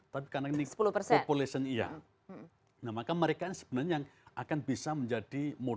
terima kasih pak menteri